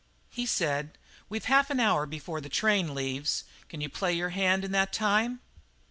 He said: "We've half an hour before our train leaves. Can you play your hand in that time?"